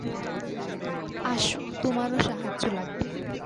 আসো, তোমারও সাহায্য লাগবে।